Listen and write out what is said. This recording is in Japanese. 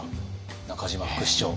中島副市長。